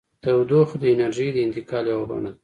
تودوخه د انرژۍ د انتقال یوه بڼه ده.